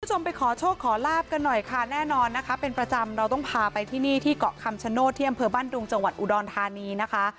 คุณผู้ชมไปขอโชคขอลาบกันหน่อยค่ะแน่นอนนะคะเป็นประจำเราต้องพาไปที่นี่ที่เกาะคำชโนธที่อำเภอบ้านดุงจังหวัดอุดรธานีนะคะ